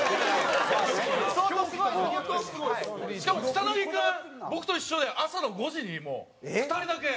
しかも草薙君僕と一緒で朝の５時に２人だけ。